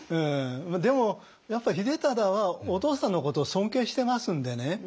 でもやっぱ秀忠はお父さんのことを尊敬してますんでね。